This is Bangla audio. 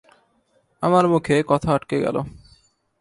আমার মুখে কথা আটকে গেল।